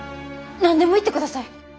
何でも言ってください。